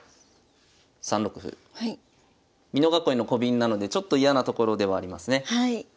美濃囲いのコビンなのでちょっと嫌なところではありますね。